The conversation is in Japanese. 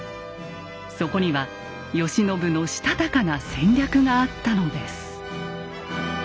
そこには慶喜のしたたかな戦略があったのです。